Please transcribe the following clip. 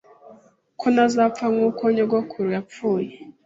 ko ntazapfa nk’uko nyogokuru yapfuye